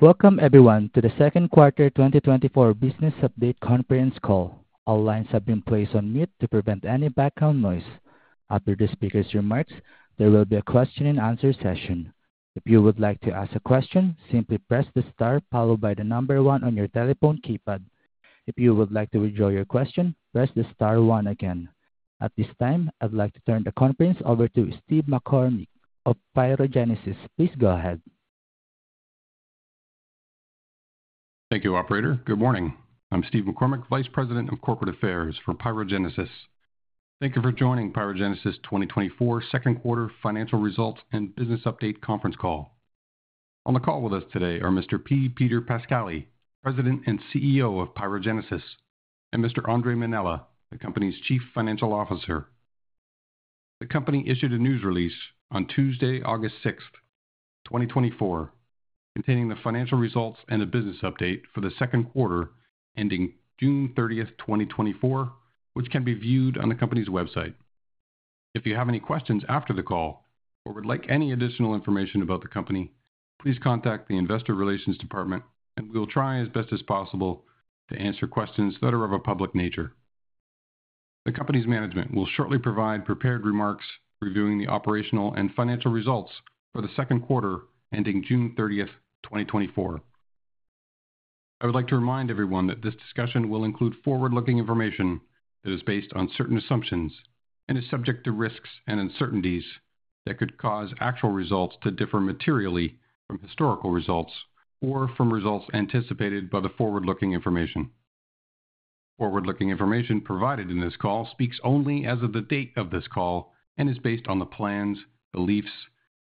Welcome everyone to the Q2 2024 Business Update Conference Call. All lines have been placed on mute to prevent any background noise. After the speaker's remarks, there will be a Q&A session. If you would like to ask a question, simply press the star followed by the number one on your telephone keypad. If you would like to withdraw your question, press the star one again. At this time, I'd like to turn the conference over to Steve McCormick of PyroGenesis. Please go ahead. Thank you, operator. Good morning, I'm Steve McCormick, Vice President of Corporate Affairs for PyroGenesis. Thank you for joining PyroGenesis 2024 Q2 financial results and business update conference call. On the call with us today are Mr. P. Peter Pascali, President and CEO of PyroGenesis, and Mr. Andre Mainella, the company's Chief Financial Officer. The company issued a news release on Tuesday, August 6, 2024, containing the financial results and a business update for the Q2, ending June 30, 2024, which can be viewed on the company's website. If you have any questions after the call or would like any additional information about the company, please contact the investor relations department and we'll try as best as possible to answer questions that are of a public nature. The company's management will shortly provide prepared remarks reviewing the operational and financial results for the Q2, ending June 30, 2024. I would like to remind everyone that this discussion will include forward-looking information that is based on certain assumptions and is subject to risks and uncertainties that could cause actual results to differ materially from historical results or from results anticipated by the forward-looking information. Forward-looking information provided in this call speaks only as of the date of this call and is based on the plans, beliefs,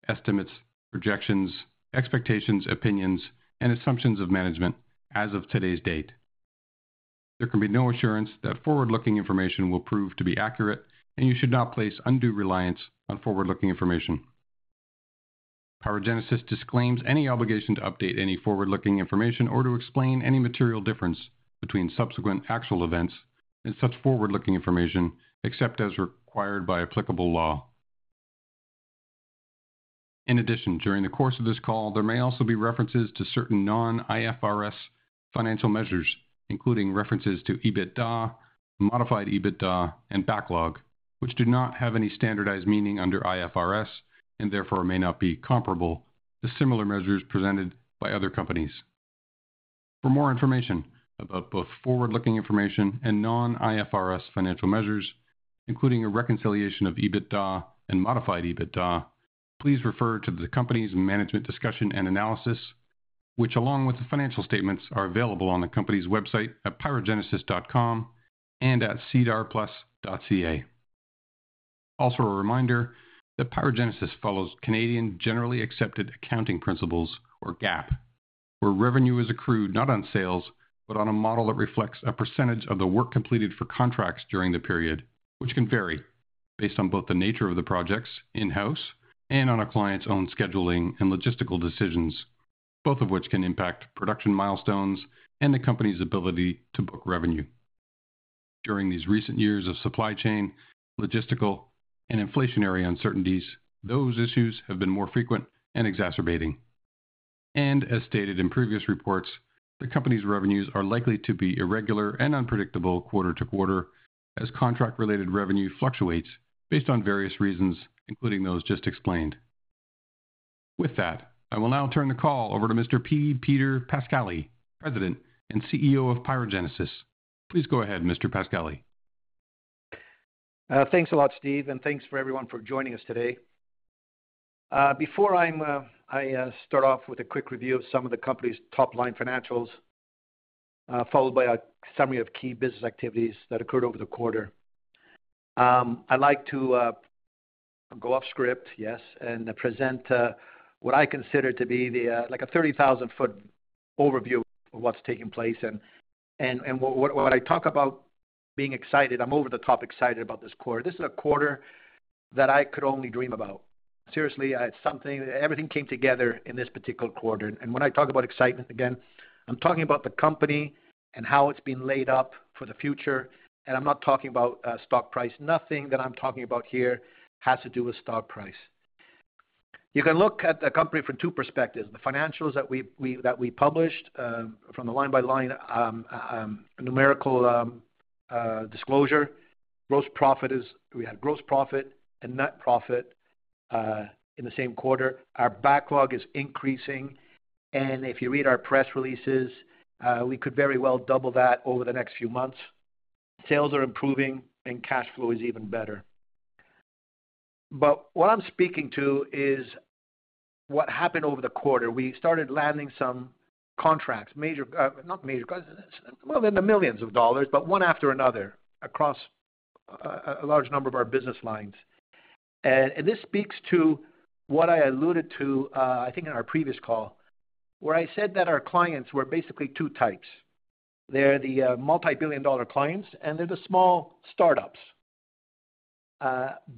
estimates, projections, expectations, opinions, and assumptions of management as of today's date. There can be no assurance that forward-looking information will prove to be accurate, and you should not place undue reliance on forward-looking information. PyroGenesis disclaims any obligation to update any forward-looking information or to explain any material difference between subsequent actual events and such forward-looking information, except as required by applicable law. In addition, during the course of this call, there may also be references to certain non-IFRS financial measures, including references to EBITDA, modified EBITDA, and backlog, which do not have any standardized meaning under IFRS and therefore may not be comparable to similar measures presented by other companies. For more information about both forward-looking information and non-IFRS financial measures, including a reconciliation of EBITDA and modified EBITDA, please refer to the company's management discussion and analysis, which, along with the financial statements, are available on the company's website at pyrogenesis.com and at sedarplus.ca. Also, a reminder that PyroGenesis follows Canadian generally accepted accounting principles, or GAAP, where revenue is accrued not on sales, but on a model that reflects a percentage of the work completed for contracts during the period, which can vary based on both the nature of the projects in-house and on a client's own scheduling and logistical decisions, both of which can impact production milestones and the company's ability to book revenue. During these recent years of supply chain, logistical, and inflationary uncertainties, those issues have been more frequent and exacerbating. As stated in previous reports, the company's revenues are likely to be irregular and unpredictable quarter to quarter as contract-related revenue fluctuates based on various reasons, including those just explained. With that, I will now turn the call over to Mr. P. Peter Pascali, President and CEO of PyroGenesis. Please go ahead, Mr. Pascali. Thanks a lot, Steve, and thanks for everyone for joining us today. Before I start off with a quick review of some of the company's top-line financials, followed by a summary of key business activities that occurred over the quarter. I'd like to go off script, yes, and present what I consider to be like a 30,000-foot overview of what's taking place. And when I talk about being excited, I'm over-the-top excited about this quarter. This is a quarter that I could only dream about. Seriously, I had something - everything came together in this particular quarter, and when I talk about excitement again, I'm talking about the company and how it's been laid up for the future, and I'm not talking about stock price. Nothing that I'm talking about here has to do with stock price. You can look at the company from two perspectives, the financials that we published, from the line-by-line numerical disclosure. Gross profit is... We had gross profit and net profit in the same quarter. Our backlog is increasing, and if you read our press releases, we could very well double that over the next few months. Sales are improving, and cash flow is even better. But what I'm speaking to is what happened over the quarter. We started landing some contracts, major, not major, well, in the millions of dollars, but one after another across a large number of our business lines. This speaks to what I alluded to, I think in our previous call, where I said that our clients were basically two types. They're the multi-billion-dollar clients, and they're the small startups.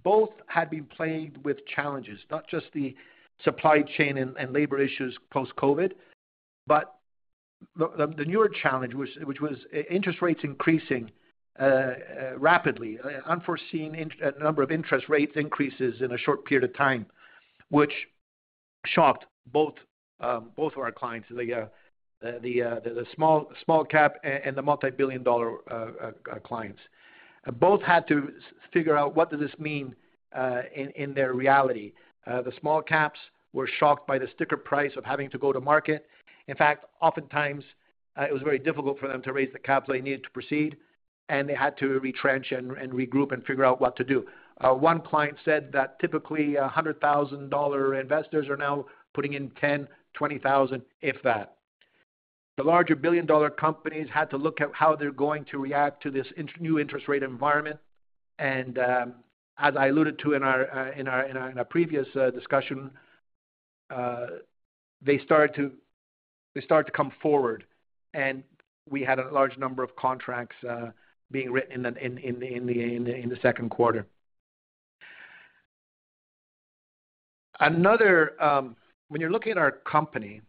Both had been plagued with challenges, not just the supply chain and labor issues post-COVID, but the newer challenge was interest rates increasing rapidly, unforeseen in a number of interest rate increases in a short period of time, which shocked both of our clients, the small-cap and the multibillion-dollar clients. Both had to figure out what does this mean in their reality. The small caps were shocked by the sticker price of having to go to market. In fact, oftentimes, it was very difficult for them to raise the capital they needed to proceed, and they had to retrench and regroup and figure out what to do. One client said that typically, 100,000-dollar investors are now putting in 10,000, 20,000, if that. The larger billion-dollar companies had to look at how they're going to react to this new interest rate environment. As I alluded to in our previous discussion, they started to come forward, and we had a large number of contracts being written in the Q2. Another... When you're looking at our company,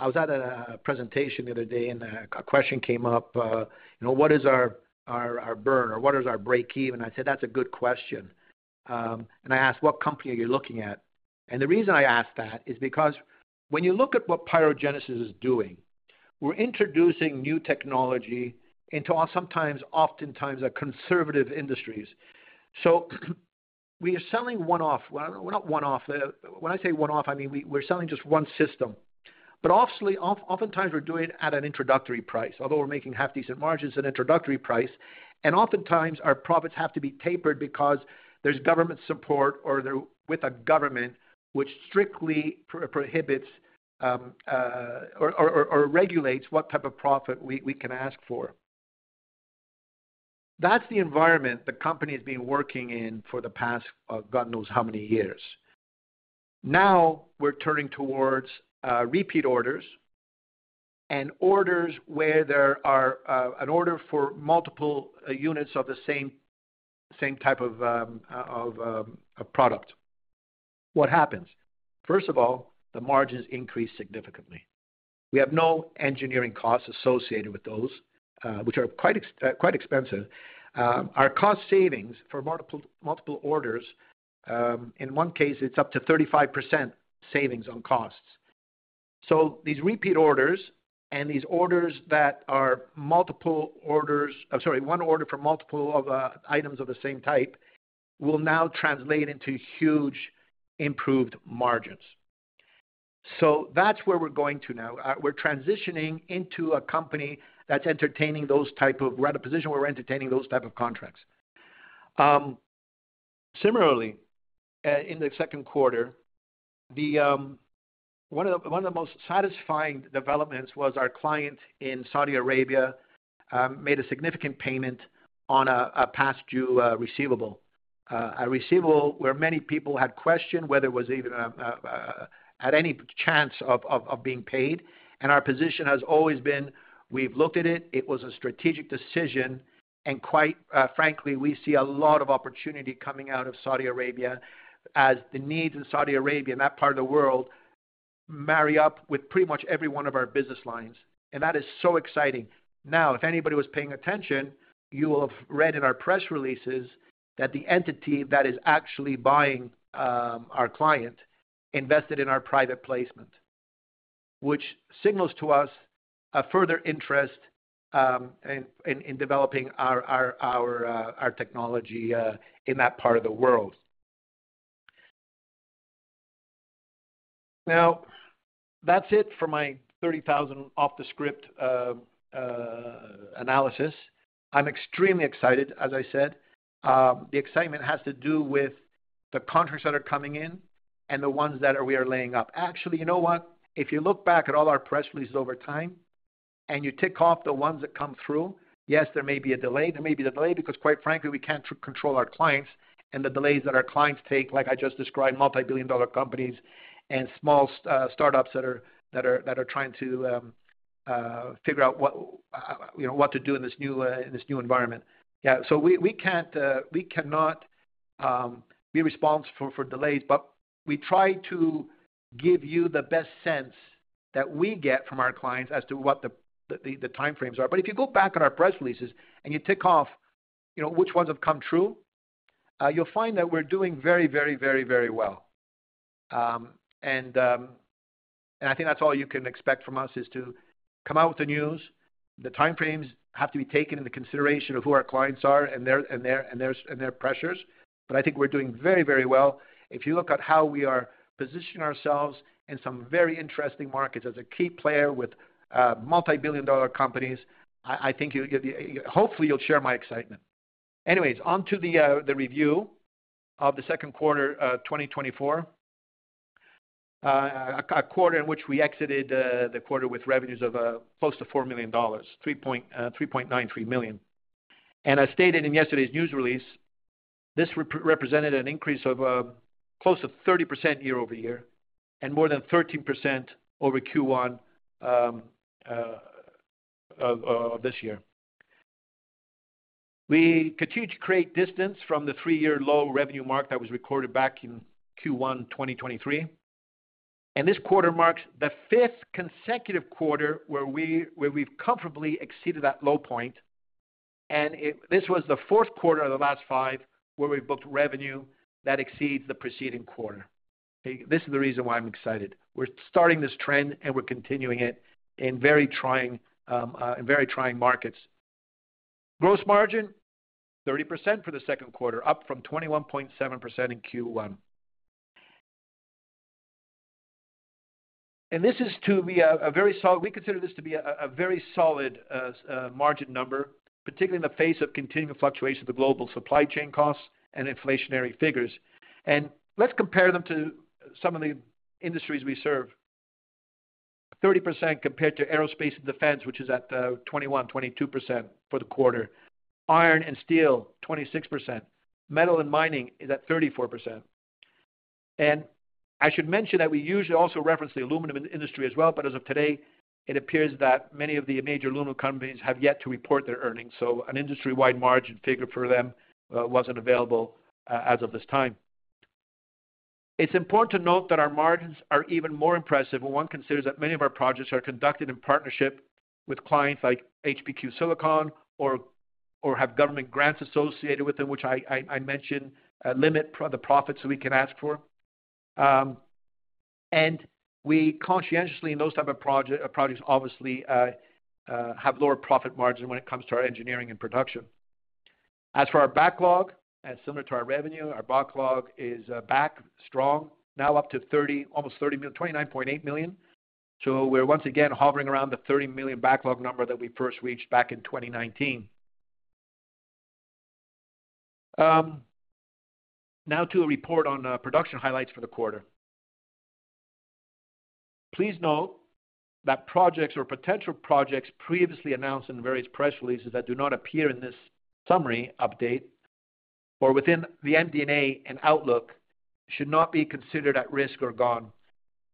I was at a presentation the other day, and a question came up, you know, what is our burn or what is our breakeven? I said, "That's a good question." And I asked, "What company are you looking at?" And the reason I asked that is because when you look at what PyroGenesis is doing, we're introducing new technology into, sometimes, oftentimes, conservative industries. So we are selling one-off. Well, we're not one-off. When I say one-off, I mean, we're selling just one system, but obviously, oftentimes, we're doing it at an introductory price. Although we're making half decent margins, an introductory price, and oftentimes our profits have to be tapered because there's government support or they're with a government which strictly prohibits or regulates what type of profit we can ask for. That's the environment the company has been working in for the past, God knows how many years. Now, we're turning towards repeat orders and orders where there are an order for multiple units of the same type of a product. What happens? First of all, the margins increase significantly. We have no engineering costs associated with those, which are quite expensive. Our cost savings for multiple orders, in one case, it's up to 35% savings on costs. So these repeat orders and these orders that are multiple orders... I'm sorry, one order for multiple of, items of the same type, will now translate into huge improved margins. So that's where we're going to now. We're transitioning into a company that's entertaining those type of—we're at a position where we're entertaining those type of contracts. Similarly, in the Q2, one of the most satisfying developments was our client in Saudi Arabia made a significant payment on a past due receivable. A receivable where many people had questioned whether it was even had any chance of being paid. Our position has always been, we've looked at it, it was a strategic decision, and quite, frankly, we see a lot of opportunity coming out of Saudi Arabia as the needs in Saudi Arabia, and that part of the world, marry up with pretty much every one of our business lines, and that is so exciting. Now, if anybody was paying attention, you will have read in our press releases that the entity that is actually buying, our client, invested in our private placement. Which signals to us a further interest, in developing our technology, in that part of the world. Now, that's it for my 30,000 off-the-script analysis. I'm extremely excited, as I said. The excitement has to do with the contracts that are coming in and the ones that are—we are laying up. Actually, you know what? If you look back at all our press releases over time, and you tick off the ones that come through, yes, there may be a delay. There may be a delay because, quite frankly, we can't control our clients and the delays that our clients take, like I just described, multibillion-dollar companies and small startups that are trying to figure out what, you know, what to do in this new environment. So we cannot be responsible for delays, but we try to give you the best sense that we get from our clients as to what the timeframes are. But if you go back on our press releases and you tick off, you know, which ones have come true, you'll find that we're doing very, very, very, very well. And I think that's all you can expect from us, is to come out with the news. The timeframes have to be taken into consideration of who our clients are and their pressures, but I think we're doing very, very well. If you look at how we are positioning ourselves in some very interesting markets as a key player with multibillion-dollar companies, I think you, hopefully, you'll share my excitement. Anyways, on to the review of the Q2 of 2024. A quarter in which we exited the quarter with revenues of close to 4 million dollars, three point... 3.93 million. I stated in yesterday's news release, this represented an increase of close to 30% year-over-year, and more than 13% over Q1 of this year. We continue to create distance from the 3-year low revenue mark that was recorded back in Q1 2023, and this quarter marks the fifth consecutive quarter where we've comfortably exceeded that low point. This was the Q4 of the last five, where we've booked revenue that exceeds the preceding quarter. This is the reason why I'm excited. We're starting this trend and we're continuing it in very trying markets. Gross margin 30% for the Q2, up from 21.7% in Q1. And this is to be a very solid. We consider this to be a very solid margin number, particularly in the face of continuing fluctuation of the global supply chain costs and inflationary figures. Let's compare them to some of the industries we serve. 30% compared to aerospace and defense, which is at 21-22% for the quarter. Iron and steel, 26%. Metal and mining is at 34%. And I should mention that we usually also reference the aluminum industry as well, but as of today, it appears that many of the major aluminum companies have yet to report their earnings. So an industry-wide margin figure for them wasn't available as of this time. It's important to note that our margins are even more impressive when one considers that many of our projects are conducted in partnership with clients like HPQ Silicon, or have government grants associated with them, which I mentioned limit the profits we can ask for. We conscientiously, in those type of projects, obviously have lower profit margin when it comes to our engineering and production. As for our backlog, as similar to our revenue, our backlog is back strong now up to 30—almost 30 million, 29.8 million. So we're once again hovering around the 30 million backlog number that we first reached back in 2019. Now to a report on production highlights for the quarter. Please note that projects or potential projects previously announced in the various press releases that do not appear in this summary update or within the MD&A and outlook, should not be considered at risk or gone.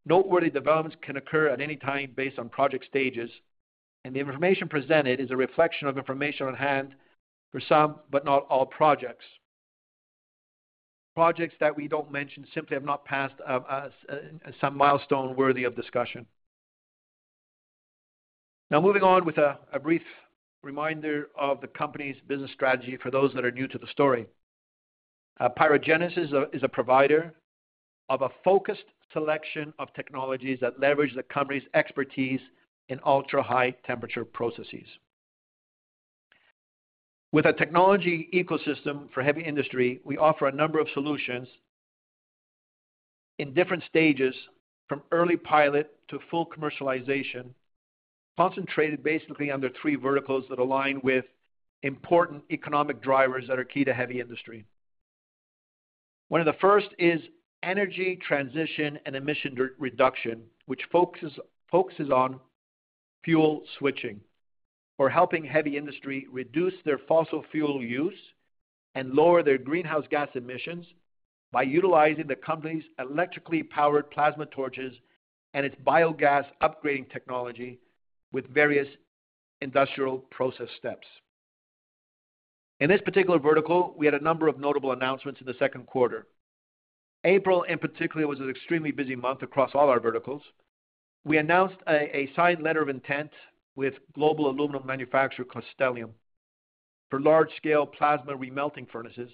Noteworthy developments can occur at any time based on project stages, and the information presented is a reflection of information on hand for some, but not all projects. Projects that we don't mention simply have not passed some milestone worthy of discussion. Now, moving on with a brief reminder of the company's business strategy for those that are new to the story. PyroGenesis is a provider of a focused selection of technologies that leverage the company's expertise in ultra-high temperature processes. With a technology ecosystem for heavy industry, we offer a number of solutions in different stages, from early pilot to full commercialization, concentrated basically under three verticals that align with important economic drivers that are key to heavy industry. One of the first is energy transition and emission reduction, which focuses on fuel switching or helping heavy industry reduce their fossil fuel use and lower their greenhouse gas emissions by utilizing the company's electrically powered plasma torches and its biogas upgrading technology with various industrial process steps. In this particular vertical, we had a number of notable announcements in the Q2. April, in particular, was an extremely busy month across all our verticals. We announced a signed letter of intent with global aluminum manufacturer Constellium for large-scale plasma remelting furnaces,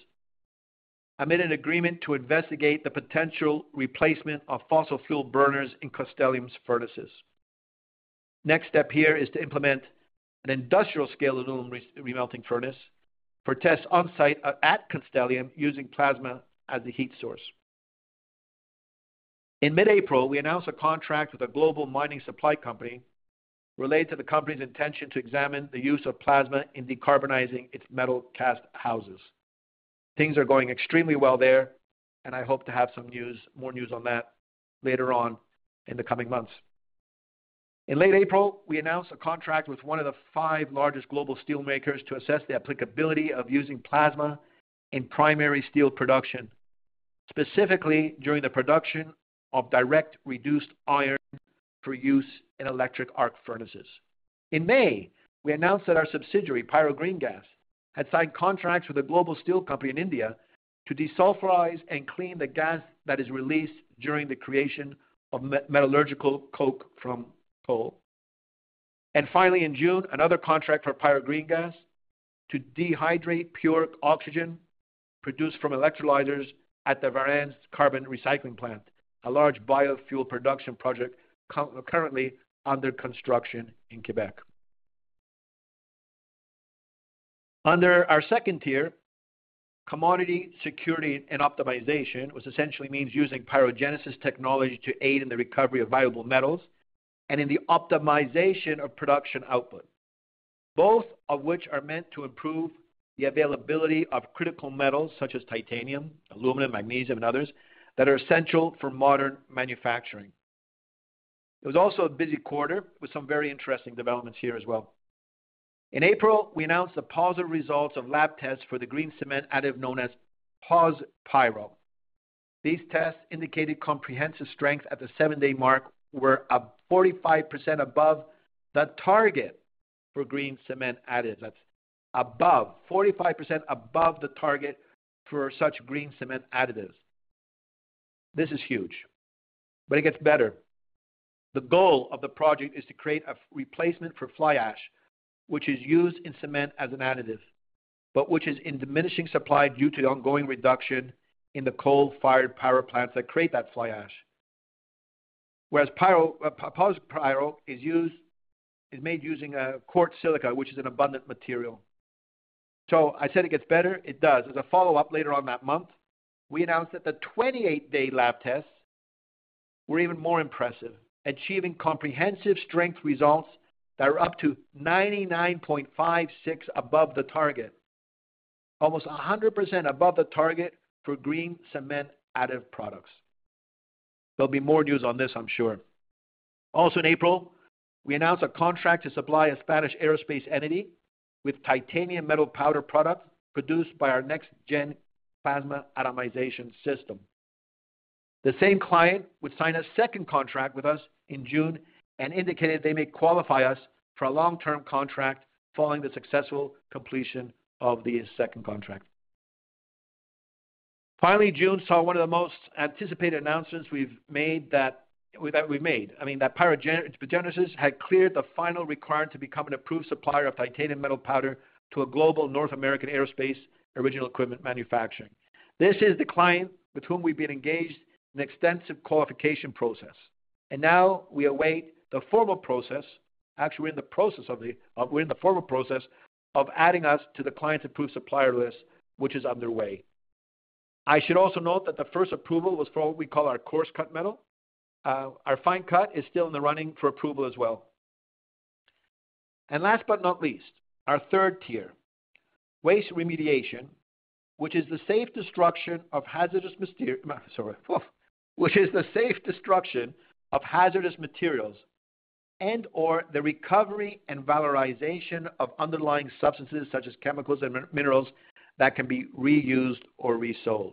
amid an agreement to investigate the potential replacement of fossil fuel burners in Constellium's furnaces. Next step here is to implement an industrial-scale aluminum remelting furnace for tests on-site at Constellium, using plasma as the heat source. In mid-April, we announced a contract with a global mining supply company related to the company's intention to examine the use of plasma in decarbonizing its metal cast houses. Things are going extremely well there, and I hope to have some news, more news on that later on in the coming months. In late April, we announced a contract with one of the five largest global steelmakers to assess the applicability of using plasma in primary steel production, specifically during the production of direct-reduced iron for use in electric arc furnaces. In May, we announced that our subsidiary, Pyro Green Gas, had signed contracts with a global steel company in India to desulfurize and clean the gas that is released during the creation of metallurgical coke from coal. And finally, in June, another contract for Pyro Green Gas to dehydrate pure oxygen produced from electrolyzers at the Varennes Carbon Recycling plant, a large biofuel production project currently under construction in Quebec. Under our second tier, commodity security and optimization, which essentially means using PyroGenesis technology to aid in the recovery of viable metals and in the optimization of production output, both of which are meant to improve the availability of critical metals such as titanium, aluminum, magnesium, and others that are essential for modern manufacturing. It was also a busy quarter with some very interesting developments here as well. In April, we announced the positive results of lab tests for the green cement additive known as PosPyro. These tests indicated compressive strength at the seven-day mark were 45% above the target for green cement additives. That's above, 45% above the target for such green cement additives. This is huge, but it gets better. The goal of the project is to create a replacement for fly ash, which is used in cement as an additive, but which is in diminishing supply due to the ongoing reduction in the coal-fired power plants that create that fly ash. Whereas PosPyro is made using quartz silica, which is an abundant material. So I said it gets better. It does. As a follow-up, later on that month, we announced that the 28-day lab tests were even more impressive, achieving compressive strength results that are up to 99.56 above the target, almost 100% above the target for green cement additive products. There'll be more news on this, I'm sure. Also, in April, we announced a contract to supply a Spanish aerospace entity with titanium metal powder product produced by our next-gen plasma atomization system. The same client would sign a second contract with us in June and indicated they may qualify us for a long-term contract following the successful completion of the second contract. Finally, June saw one of the most anticipated announcements we've made that we've made, I mean, that PyroGenesis had cleared the final requirement to become an approved supplier of titanium metal powder to a global North American aerospace original equipment manufacturer. This is the client with whom we've been engaged in an extensive qualification process, and now we await the formal process. Actually, we're in the process of the-- we're in the formal process of adding us to the client approved supplier list, which is underway. I should also note that the first approval was for what we call our coarse cut metal. Our fine cut is still in the running for approval as well. And last but not least, our third tier, waste remediation, which is the safe destruction of hazardous mater-- Sorry. Which is the safe destruction of hazardous materials and/or the recovery and valorization of underlying substances such as chemicals and minerals that can be reused or resold.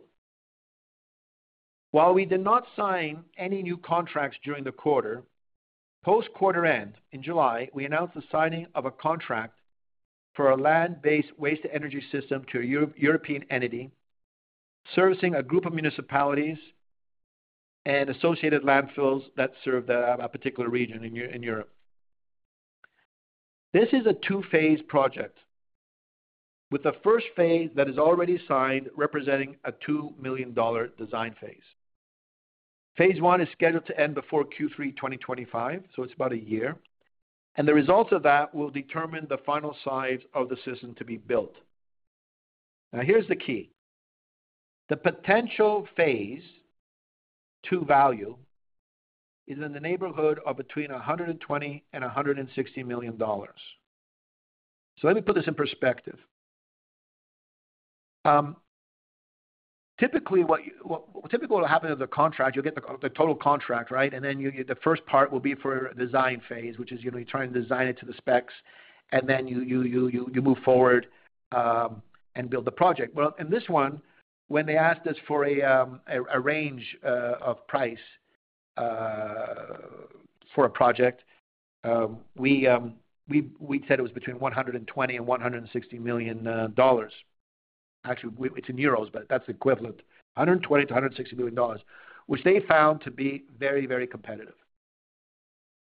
While we did not sign any new contracts during the quarter, post-quarter end, in July, we announced the signing of a contract for a land-based waste-to-energy system to a European entity, servicing a group of municipalities and associated landfills that serve that particular region in Europe. This is a two-phase project, with the first phase that is already signed, representing a $2 million design phase. Phase one is scheduled to end before Q3 2025, so it's about a year, and the results of that will determine the final size of the system to be built. Now, here's the key: The potential phase two value is in the neighborhood of between $120 million and $160 million. So let me put this in perspective. Typically, what typically will happen with the contract, you'll get the total contract, right? And then the first part will be for a design phase, which is, you know, you try and design it to the specs, and then you move forward and build the project. Well, in this one, when they asked us for a range of price for a project, we said it was between $120 million and $160 million. Actually, it's in euros, but that's equivalent. $120 million-$160 million, which they found to be very, very competitive.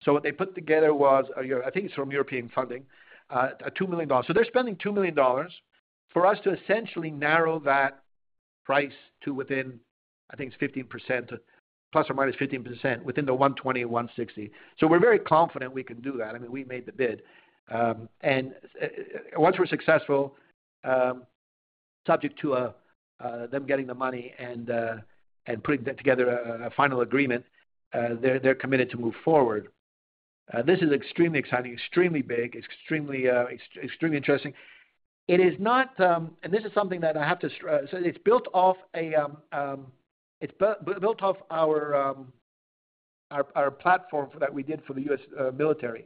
So what they put together was a... I think it's from European funding, a $2 million. So they're spending $2 million for us to essentially narrow that price to within, I think it's 15%, plus or minus 15%, within the 120, 160. So we're very confident we can do that. I mean, we made the bid. And once we're successful, subject to them getting the money and putting together a final agreement, they're committed to move forward. This is extremely exciting, extremely big, extremely interesting. It is not, and this is something that I have to stress. So it's built off our platform that we did for the US military.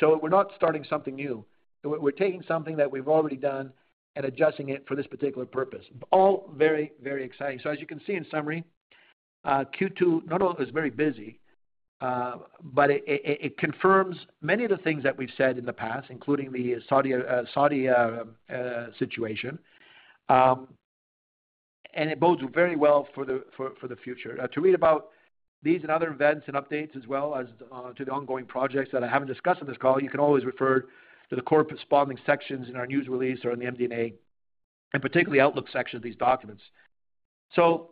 So we're not starting something new. We're taking something that we've already done and adjusting it for this particular purpose. All very, very exciting. So as you can see in summary, Q2 not only is very busy, but it confirms many of the things that we've said in the past, including the Saudi situation, and it bodes very well for the future. To read about these and other events and updates as well as to the ongoing projects that I haven't discussed on this call, you can always refer to the corresponding sections in our news release or in the MD&A, and particularly outlook section of these documents. So,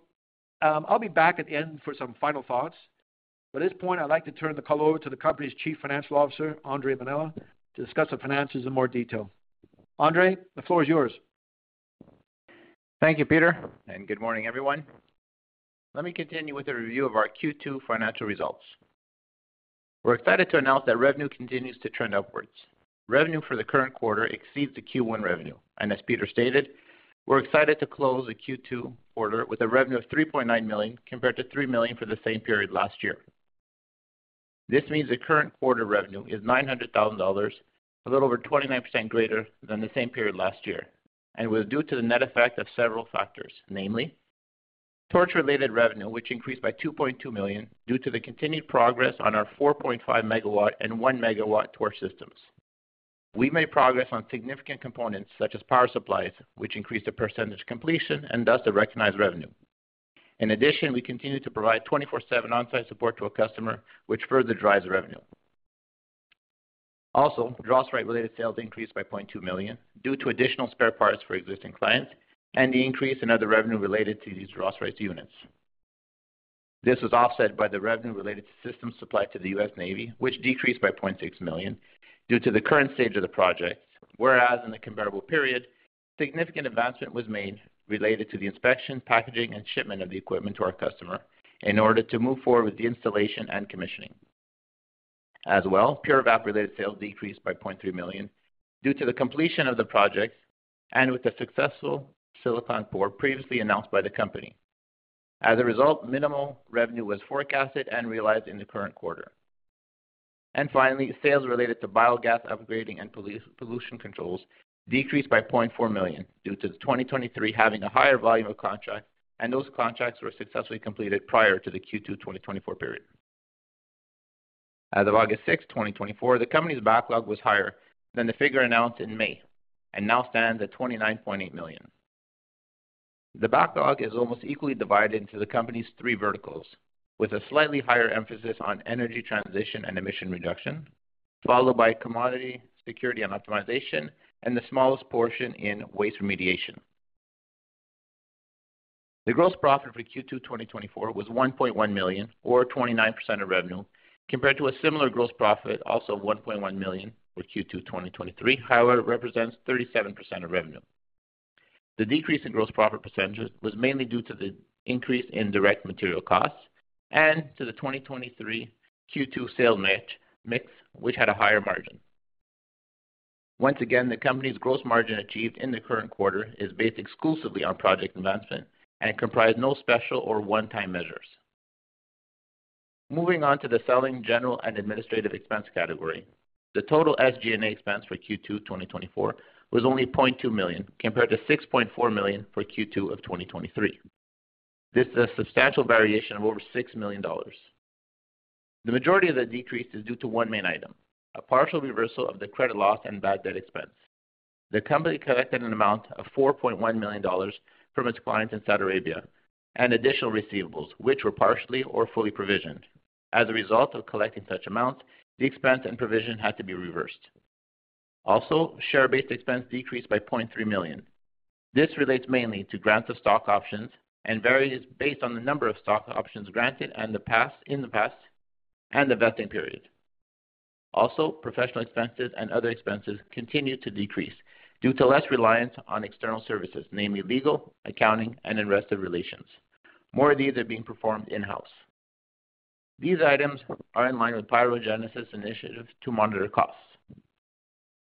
I'll be back at the end for some final thoughts. But at this point, I'd like to turn the call over to the company's Chief Financial Officer, Andre Mainella, to discuss the finances in more detail. Andre, the floor is yours. Thank you, Peter, and good morning, everyone. Let me continue with the review of our Q2 financial results. We're excited to announce that revenue continues to trend upwards. Revenue for the current quarter exceeds the Q1 revenue, and as Peter stated, we're excited to close the Q2 quarter with a revenue of 3.9 million, compared to 3 million for the same period last year. This means the current quarter revenue is 900,000 dollars, a little over 29% greater than the same period last year, and was due to the net effect of several factors, namely: torch-related revenue, which increased by 2.2 million due to the continued progress on our 4.5 megawatt and 1 megawatt torch systems. We made progress on significant components such as power supplies, which increased the percentage completion and thus the recognized revenue. In addition, we continued to provide 24/7 on-site support to a customer, which further drives revenue. Also, DROSRITE-related sales increased by 0.2 million due to additional spare parts for existing clients and the increase in other revenue related to these DROSRITE units. This was offset by the revenue related to system supply to the US Navy, which decreased by 0.6 million due to the current stage of the project, whereas in the comparable period, significant advancement was made related to the inspection, packaging, and shipment of the equipment to our customer in order to move forward with the installation and commissioning. As well, PUREVAP-related sales decreased by 0.3 million due to the completion of the project and with the successful silicon pour previously announced by the company. As a result, minimal revenue was forecasted and realized in the current quarter. And finally, sales related to biogas upgrading and pollution controls decreased by 0.4 million due to 2023 having a higher volume of contracts, and those contracts were successfully completed prior to the Q2 2024 period. As of August 6, 2024, the company's backlog was higher than the figure announced in May and now stands at 29.8 million. The backlog is almost equally divided into the company's three verticals, with a slightly higher emphasis on energy transition and emission reduction, followed by commodity security and optimization, and the smallest portion in waste remediation. The gross profit for Q2 2024 was 1.1 million, or 29% of revenue, compared to a similar gross profit, also 1.1 million for Q2 2023. However, it represents 37% of revenue. The decrease in gross profit percentage was mainly due to the increase in direct material costs and to the 2023 Q2 sales mix, which had a higher margin. Once again, the company's gross margin achieved in the current quarter is based exclusively on project advancement and comprised no special or one-time measures. Moving on to the selling, general, and administrative expense category. The total SG&A expense for Q2 2024 was only 0.2 million, compared to 6.4 million for Q2 of 2023. This is a substantial variation of over 6 million dollars. The majority of the decrease is due to one main item, a partial reversal of the credit loss and bad debt expense. The company collected an amount of 4.1 million dollars from its client in Saudi Arabia and additional receivables, which were partially or fully provisioned. As a result of collecting such amount, the expense and provision had to be reversed. Also, share-based expense decreased by 0.3 million. This relates mainly to grant of stock options and varies based on the number of stock options granted in the past and the vesting period. Also, professional expenses and other expenses continued to decrease due to less reliance on external services, namely legal, accounting, and investor relations. More of these are being performed in-house. These items are in line with PyroGenesis initiatives to monitor costs.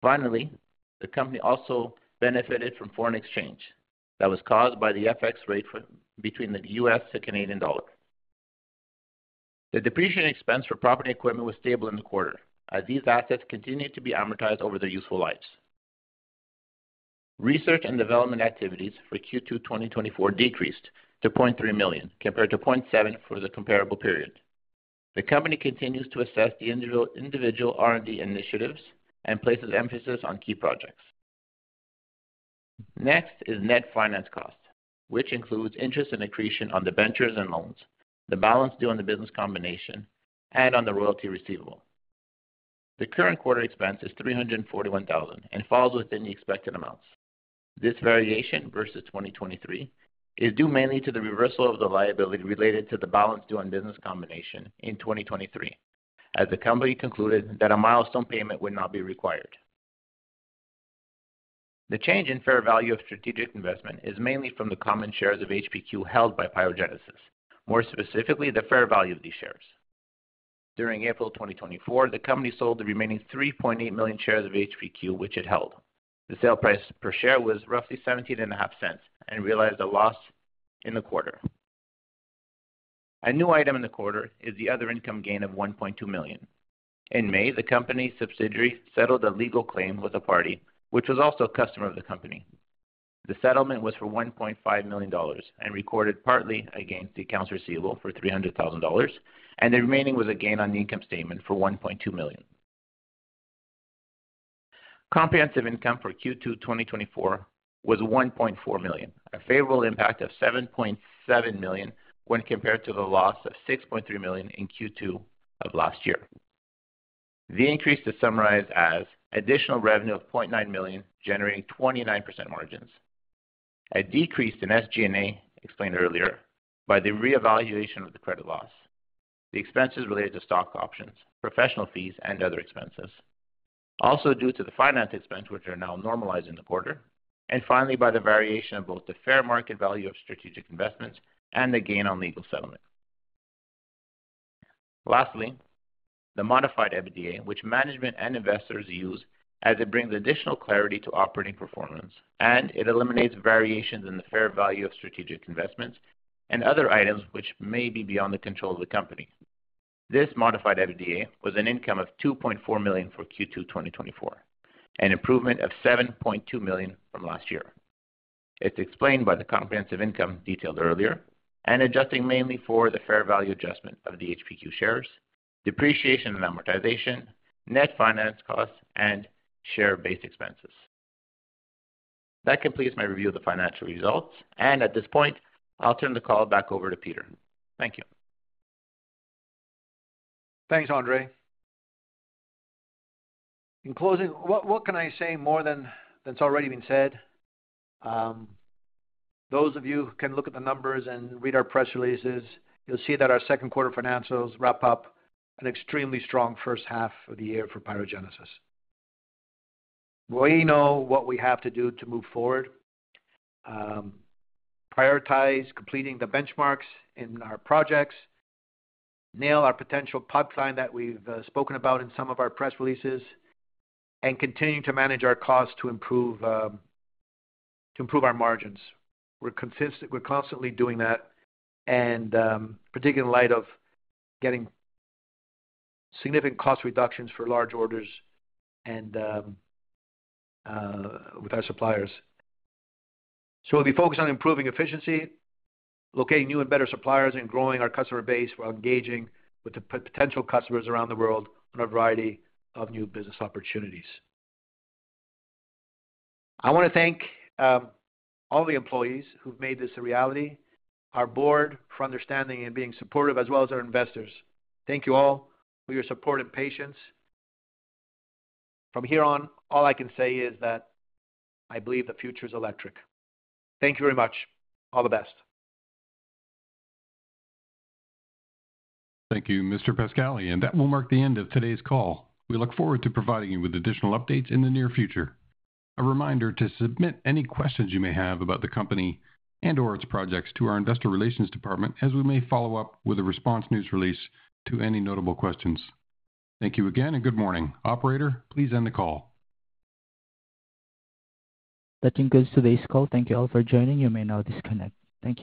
Finally, the company also benefited from foreign exchange that was caused by the FX rate between the U.S. dollar and the Canadian dollar. The depreciation expense for property equipment was stable in the quarter as these assets continued to be amortized over their useful lives. Research and development activities for Q2 2024 decreased to 0.3 million, compared to 0.7 million for the comparable period. The company continues to assess the individual R&D initiatives and places emphasis on key projects. Next is net finance cost, which includes interest and accretion on the ventures and loans, the balance due on the business combination, and on the royalty receivable. The current quarter expense is 341,000 and falls within the expected amounts. This variation versus 2023 is due mainly to the reversal of the liability related to the balance due on business combination in 2023, as the company concluded that a milestone payment would not be required. The change in fair value of strategic investment is mainly from the common shares of HPQ held by PyroGenesis, more specifically, the fair value of these shares. During April 2024, the company sold the remaining 3.8 million shares of HPQ, which it held. The sale price per share was roughly 0.175 and realized a loss in the quarter. A new item in the quarter is the other income gain of 1.2 million. In May, the company's subsidiary settled a legal claim with a party which was also a customer of the company. The settlement was for 1.5 million dollars and recorded partly against the accounts receivable for 300,000 dollars, and the remaining was a gain on the income statement for 1.2 million. Comprehensive income for Q2 2024 was 1.4 million, a favorable impact of 7.7 million when compared to the loss of 6.3 million in Q2 of last year. The increase is summarized as additional revenue of 0.9 million, generating 29% margins. A decrease in SG&A, explained earlier, by the reevaluation of the credit loss, the expenses related to stock options, professional fees, and other expenses. Also due to the finance expense, which are now normalized in the quarter. And finally, by the variation of both the fair market value of strategic investments and the gain on legal settlement. Lastly, the Modified EBITDA, which management and investors use as it brings additional clarity to operating performance, and it eliminates variations in the fair value of strategic investments and other items which may be beyond the control of the company. This Modified EBITDA was an income of 2.4 million for Q2 2024, an improvement of 7.2 million from last year. It's explained by the comprehensive income detailed earlier and adjusting mainly for the fair value adjustment of the HPQ shares, depreciation and amortization, net finance costs, and share-based expenses. That completes my review of the financial results, and at this point, I'll turn the call back over to Peter. Thank you. Thanks, Andre. In closing, what, what can I say more than, than has already been said? Those of you who can look at the numbers and read our press releases, you'll see that our Q2 financials wrap up an extremely strong H1 of the year for PyroGenesis. We know what we have to do to move forward. Prioritize completing the benchmarks in our projects, nail our potential pipeline that we've spoken about in some of our press releases, and continuing to manage our costs to improve, to improve our margins. We're constantly doing that, and particularly in light of getting significant cost reductions for large orders and with our suppliers. So we'll be focused on improving efficiency, locating new and better suppliers, and growing our customer base, while engaging with the potential customers around the world on a variety of new business opportunities. I wanna thank all the employees who've made this a reality, our board for understanding and being supportive, as well as our investors. Thank you all for your support and patience. From here on, all I can say is that I believe the future is electric. Thank you very much. All the best. Thank you, Mr. Pascali, and that will mark the end of today's call. We look forward to providing you with additional updates in the near future. A reminder to submit any questions you may have about the company and/or its projects to our investor relations department, as we may follow up with a response news release to any notable questions. Thank you again, and good morning. Operator, please end the call. That concludes today's call. Thank you all for joining. You may now disconnect. Thank you.